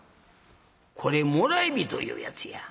これもらい火というやつや。